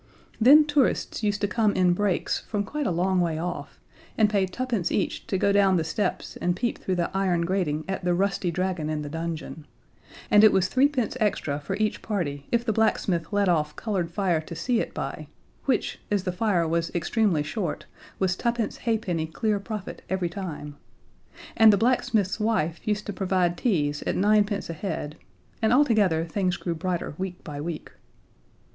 Then tourists used to come in breaks from quite a long way off, and pay twopence each to go down the steps and peep through the iron grating at the rusty dragon in the dungeon and it was threepence extra for each party if the blacksmith let off colored fire to see it by, which, as the fire was extremely short, was twopence halfpenny clear profit every time. And the blacksmith's wife used to provide teas at ninepence a head, and altogether things grew brighter week by week.